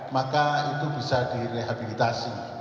maka itu bisa direhabilitasi